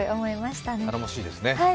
たのもしいですね。